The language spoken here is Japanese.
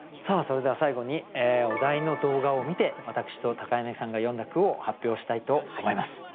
それでは最後にお題の動画を観て私と柳さんが詠んだ句を発表したいと思います。